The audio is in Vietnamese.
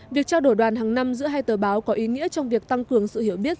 việc trao đổi đoàn hàng năm giữa hai tờ báo có ý nghĩa trong việc tăng cường sự hiểu biết